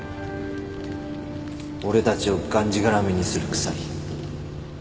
俺たちをがんじがらめにする鎖。